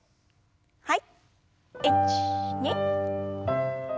はい。